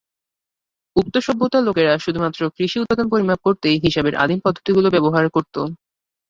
উক্ত সভ্যতার লোকেরা শুধুমাত্র কৃষি উৎপাদন পরিমাপ করতেই হিসাবের আদিম পদ্ধতিগুলো ব্যবহার করত।